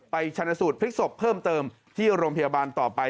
ชนสูตรพลิกศพเพิ่มเติมที่โรงพยาบาลต่อไป